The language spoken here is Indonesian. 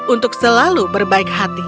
untuk selalu berbaik hati